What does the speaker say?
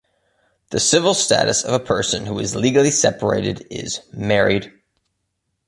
The civil status of a person who is legally separated is "married".